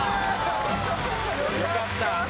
よかった！